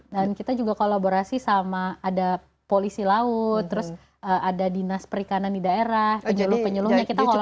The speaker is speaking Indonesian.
dan kita juga kolaborasi sama ada polisi laut terus ada dinas perikanan di daerah penyeluh penyeluhnya kita kolaborasi